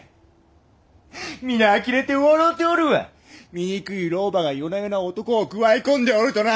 醜い老婆が夜な夜な男をくわえ込んでおるとな！